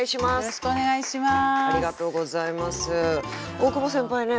大久保先輩ね